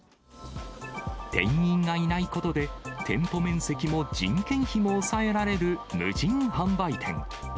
店員がいないことで、店舗面積も人件費も抑えられる無人販売店。